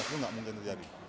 itu enggak mungkin terjadi